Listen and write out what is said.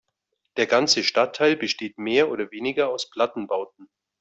Der ganze Stadtteil besteht mehr oder weniger aus Plattenbauten.